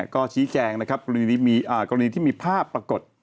ก็ชี้แจงนะครับกรณีที่มีภาพปรากฏ